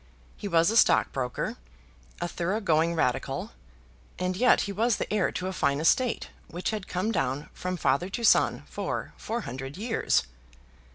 He was a stockbroker, a thorough going Radical, and yet he was the heir to a fine estate, which had come down from father to son for four hundred years!